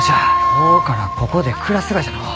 今日からここで暮らすがじゃのう。